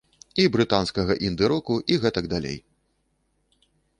І брытанскага інды-року, і гэтак далей.